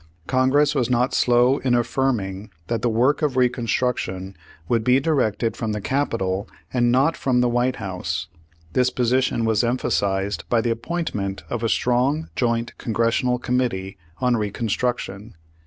Congress was not slow in affirming that Page Or.e Hundred fifty nine the work of Reconstruction would be directed from the Capitol and not from the White House. This position was emphasized by the appointment of a strong joint Congressional Committee on Re construction.